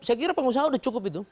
saya kira pengusaha sudah cukup itu